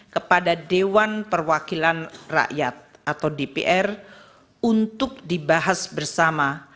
kepada dewan perwakilan rakyat atau dpr untuk dibahas bersama